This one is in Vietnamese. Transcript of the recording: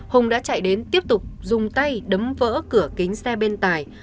hùng đã chạy đến tiếp tục dùng tay đấm vỡ cửa kính xe bên tài